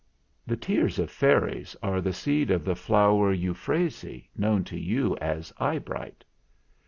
The tears of fairies are the seed of the flower euphrasy known to you as 'eye bright.'